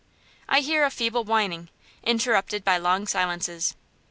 I hear a feeble whining, interrupted by long silences.